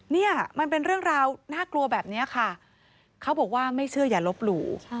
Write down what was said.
เนี่ยมันเป็นเรื่องราวน่ากลัวแบบนี้ค่ะเขาบอกว่าไม่เชื่ออย่าลบหลู่